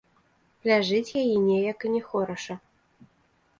Пляжыць яе неяк і не хораша.